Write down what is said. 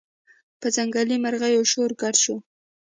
په ځنګلي مرغیو شور ګډ شو